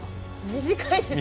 短いですね。